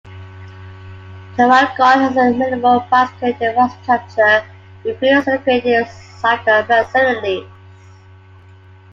Traralgon has a minimal bicycle infrastructure, with few segregated cycle facilities.